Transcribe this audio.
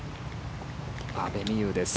阿部未悠です。